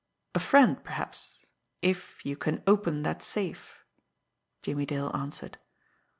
"A friend perhaps if you can open that safe," Jimmie Dale answered.